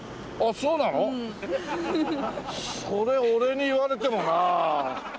それ俺に言われてもなあ。